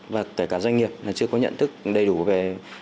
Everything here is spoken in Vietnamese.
và kể cả doanh nghiệp chưa có nhận thức đầy đủ về